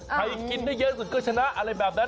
กินได้เยอะสุดก็ชนะอะไรแบบนั้น